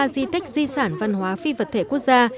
ba di tích di sản văn hóa phi vật thể quốc gia